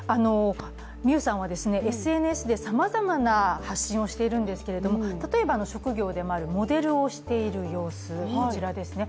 海さんはＳＮＳでさまざまな発信をしているんですが例えば職業でもあるモデルをしている様子ですね。